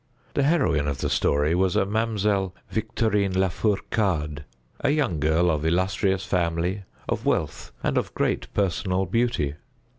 The heroine of the story was a Mademoiselle Victorine Lafourcade, a young girl of illustrious family, of wealth, and of great personal beauty.